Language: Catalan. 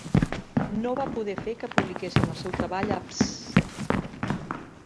No va poder fer que publiquessin el seu treball a Pssst!